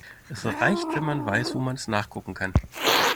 Es reicht, wenn man weiß, wo man es nachgucken kann.